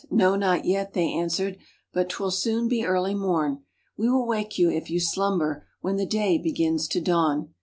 "No, not yet," they answered, "but 't will soon be early morn. We will wake you, if you slumber, when the day begins to dawn."